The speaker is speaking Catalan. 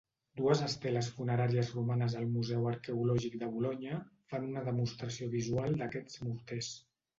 Dues esteles funeràries romanes al museu arqueològic de Bolonya fan una demostració visual d'aquests morters.